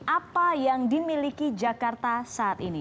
apa yang dimiliki jakarta saat ini